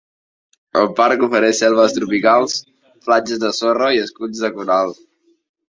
El parc ofereix selves tropicals, platges de sorra i esculls de coral.